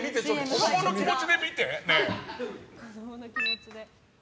子供の気持ちで見て。